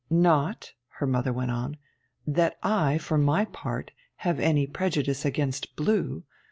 Not,' her mother went on, 'that I, for my part, have any prejudice against blue.